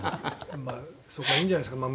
そこはいいんじゃないんですか。